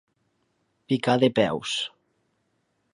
Picar de peus.